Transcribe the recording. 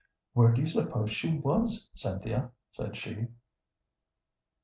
"Where do you suppose she was, Cynthia?" said she.